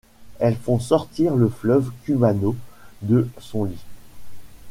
Elles font sortir le fleuve Kumano de son lit.